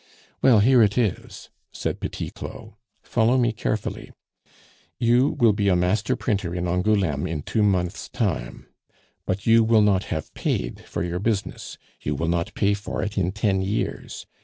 "Well, here it is," said Petit Claud. "Follow me carefully. You will be a master printer in Angouleme in two months' time ... but you will not have paid for your business you will not pay for it in ten years.